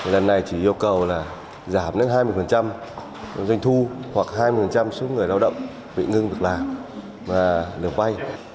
lần này chỉ yêu cầu là giảm đến hai mươi doanh thu hoặc hai mươi số người lao động bị ngưng việc làm và được vay